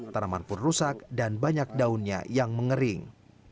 tanaman pun rusak dan banyak daunnya yang mengering